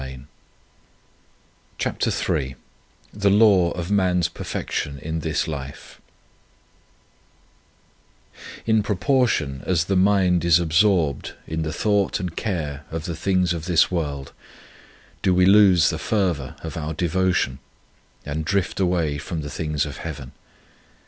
22 CHAPTER III THE LAW OF MAN S PERFECTION IN THIS LIFE IN proportion as the mind is absorbed in the thought and care of the things of this world do we lose the fervour of our devotion, and drift away from the things of Heaven.